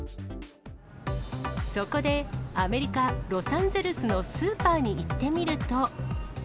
そこで、アメリカ・ロサンゼルスのスーパーに行ってみると。